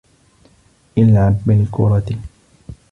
اِلْعَبْ بِالْكُرَةِ.